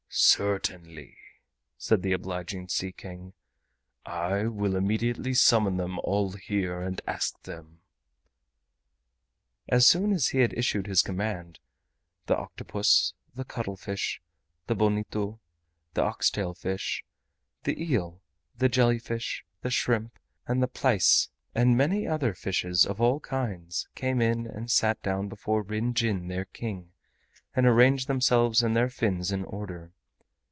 "Certainly," said the obliging Sea King, "I will immediately summon them all here and ask them." As soon as he had issued his command, the octopus, the cuttlefish, the bonito, the oxtail fish, the eel, the jelly fish, the shrimp, and the plaice, and many other fishes of all kinds came in and sat down before Ryn Jin their King, and arranged themselves and their fins in order.